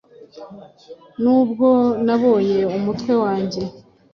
Nubwo nabonye umutwe wanjye